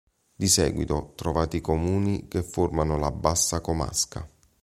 Di seguito trovate i comuni che formano la Bassa Comasca.